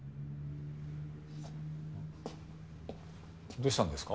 どうしたんですか？